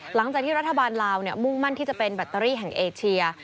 หลังจากที่รัฐบาลลาวมุ่งมั่นที่จะเป็นแบตเตอรี่แห่งเอเชีย